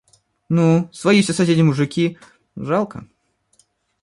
Ну, свои всё соседи мужики, жалко.